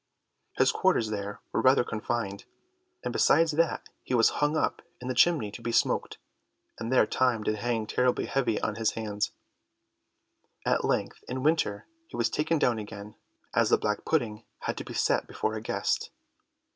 His quarters there were rather confined, and besides that he was hung up in the chimney to be smoked, and there time did hang terribly heavy on his hands. At length in winter he was taken down again, as the black pudding had to be set before a guest.